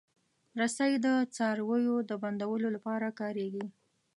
رسۍ د څارویو د بندولو لپاره کارېږي.